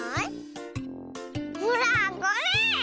ほらこれ！